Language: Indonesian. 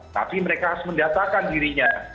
tapi mereka harus mendatakan dirinya